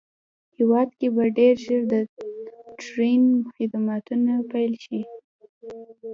هېواد کې به ډېر زر د ټرېن خدمتونه پېل شي